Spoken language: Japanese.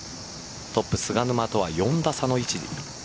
トップ・菅沼とは４打差の位置。